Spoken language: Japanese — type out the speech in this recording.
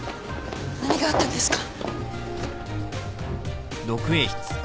何があったんですか？